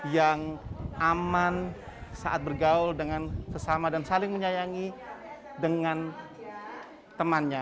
yang aman saat bergaul dengan sesama dan saling menyayangi dengan temannya